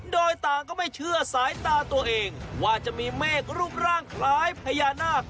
โดยต่างก็ไม่เชื่อสายตาตัวเองว่าจะมีเมฆรูปร่างคล้ายพญานาค